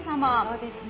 そうですね。